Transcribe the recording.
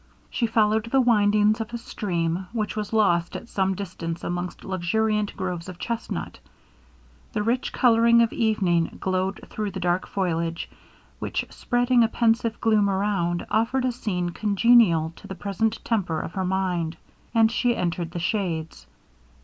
She followed the windings of a stream, which was lost at some distance amongst luxuriant groves of chesnut. The rich colouring of evening glowed through the dark foliage, which spreading a pensive gloom around, offered a scene congenial to the present temper of her mind, and she entered the shades.